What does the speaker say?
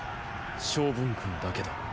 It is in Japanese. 昌文君だけだ。